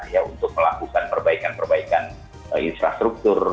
ya untuk melakukan perbaikan perbaikan infrastruktur